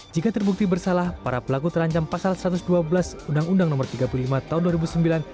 jika terbukti bersalah para pelaku terancam pasal satu ratus dua belas undang undang no tiga puluh lima tahun dua ribu sembilan